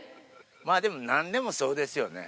まあ、でもなんでもそうですよね。